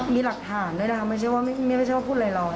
มีหลักฐานด้วยนะคะไม่ใช่ว่าพูดเลยล่ะ